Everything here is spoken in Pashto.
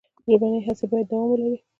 ژبنۍ هڅې باید دوام ولري.